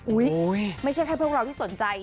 ไม่ใช่แค่พวกเราที่สนใจ